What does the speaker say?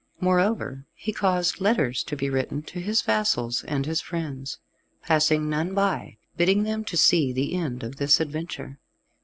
Moreover he caused letters to be written to his vassals and his friends passing none by bidding them to see the end of this adventure.